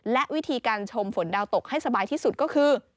และวิธีการชมฝนดาวตกให้สบายที่สุดก็คือ